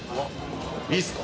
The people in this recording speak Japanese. いいっすか？